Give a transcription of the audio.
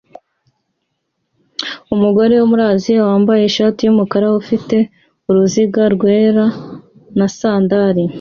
Umugore wo muri Aziya wambaye ishati yumukara ifite uruziga rwera na sandali